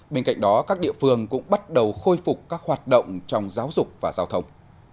bên cạnh đó các địa phương cũng bắt đầu khôi phục các hoạt động trong giáo dục và giao thông